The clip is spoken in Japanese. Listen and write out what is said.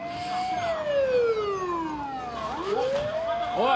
おい！